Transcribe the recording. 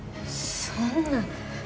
そんな。